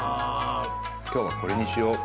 今日はこれにしよう。